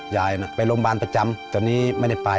ยายน่ะไปโรงพยาบาลประจำตอนนี้ไม่ได้ไป